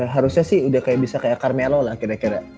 harusnya sih udah kayak bisa kayak carmelo lah kira kira